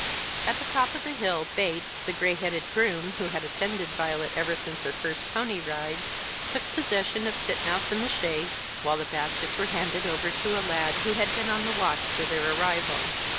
At the top of the hill, Bates, the gray headed groom, who had attended Violet ever since her first pony ride, took possession of Titmouse and the chaise, while the baskets were handed over to a lad, who had been on the watch for their arrival.